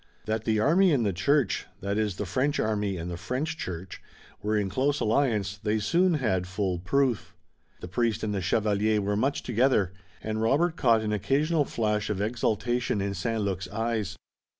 That the army and the church, that is the French army and the French church, were in close alliance, they soon had full proof. The priest and the chevalier were much together, and Robert caught an occasional flash of exultation in St. Luc's eyes.